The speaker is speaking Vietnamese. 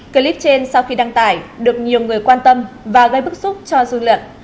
clip trên sau khi đăng tải được nhiều người quan tâm và gây bức xúc cho dư luận